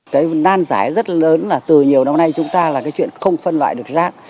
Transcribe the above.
cái nan giải rất lớn là từ nhiều năm nay chúng ta là cái chuyện không phân loại được rác